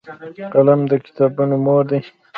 قلم د کتابونو مور دی